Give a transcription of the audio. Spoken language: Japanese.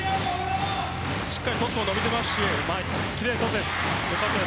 しっかり、トスも伸びてますし奇麗なトスです。